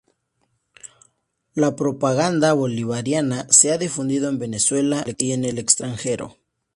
La propaganda bolivariana se ha difundido en Venezuela y en el extranjero.